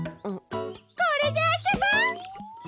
これであそぼう！